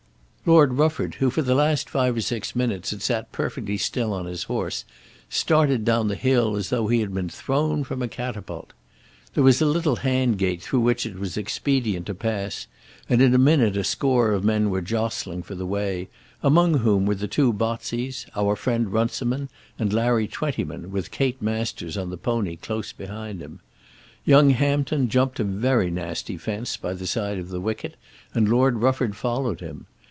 Lord Rufford, who for the last five or six minutes had sat perfectly still on his horse, started down the hill as though he had been thrown from a catapult. There was a little hand gate through which it was expedient to pass, and in a minute a score of men were jostling for the way, among whom were the two Botseys, our friend Runciman, and Larry Twentyman, with Kate Masters on the pony close behind him. Young Hampton jumped a very nasty fence by the side of the wicket, and Lord Rufford followed him.